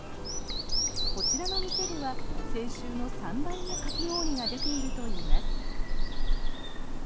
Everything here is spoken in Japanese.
こちらの店では先週の３倍もかき氷が出ているといいます。